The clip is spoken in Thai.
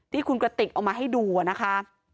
ที่คุณกระติกเอามาให้ดูนะคะ